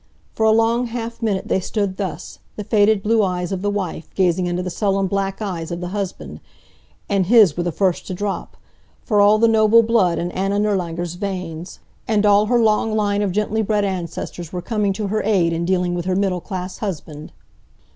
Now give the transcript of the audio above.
For a long half minute they stood thus, the faded blue eyes of the wife gazing into the sullen black eyes of the husband, and his were the first to drop, for all the noble blood in Anna Nirlanger's veins, and all her long line of gently bred ancestors were coming to her aid in dealing with her middle class husband.